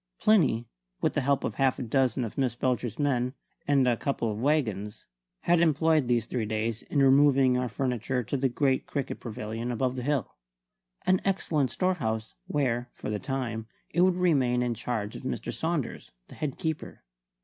Plinny, with the help of half a dozen of Miss Belcher's men and a couple of waggons, had employed these three days in removing our furniture to the great cricket pavilion above the hill; an excellent storehouse, where, for the time, it would remain in charge of Mr. Saunders, the head keeper.